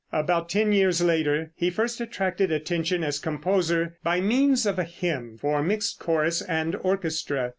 About ten years later he first attracted attention as composer, by means of a hymn for mixed chorus and orchestra.